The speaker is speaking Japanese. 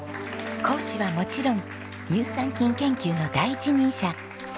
講師はもちろん乳酸菌研究の第一人者齋藤先生です。